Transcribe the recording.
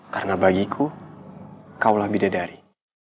karena bagiku kaulah bidadari